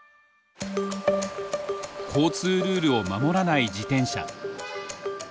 交通ルールを守らない自転車。